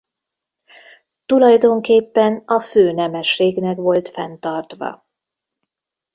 Tulajdonképpen a főnemességnek volt fenntartva.